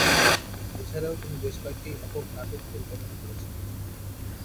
এছাড়াও তিনি বেশ কয়েকটি একক নাটক পরিচালনা করেছেন।